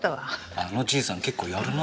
あのじいさん結構やるな。